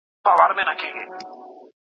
دوکان دوک دی یا کان دی.